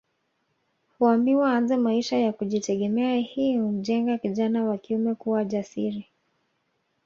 Huambiwa aanze maisha ya kujitegemea hii humjenga kijana wa kiume kuwa jasiri